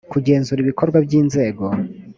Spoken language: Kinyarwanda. kugenzura ibikorwa by inzego